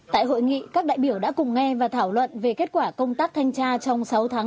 tại hội nghị các đại biểu đã cùng nghe và thảo luận về kết quả công tác thanh tra trong sáu tháng